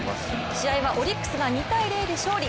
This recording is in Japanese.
試合はオリックスが２−０で勝利。